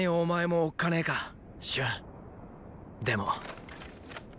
でも。